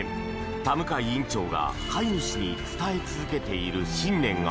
田向院長が飼い主に伝え続けている信念が。